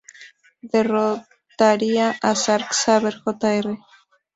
Derrotaría a Zack Saber Jr.